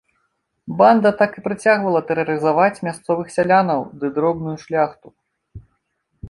Банда так і працягвала тэрарызаваць мясцовых сялянаў ды дробную шляхту.